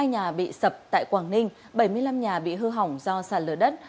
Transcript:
hai nhà bị sập tại quảng ninh bảy mươi năm nhà bị hư hỏng do sạt lở đất